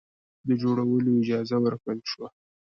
د جوړولو اجازه ورکړه شوه.